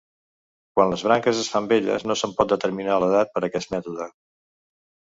Quan les branques es fan velles no se'n pot determinar l'edat per aquest mètode.